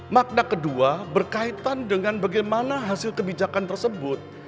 makna kedua berkaitan dengan bagaimana hasil kebijakan tersebut